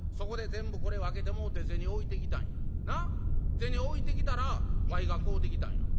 銭置いてきたらわいが買うてきたんやがな。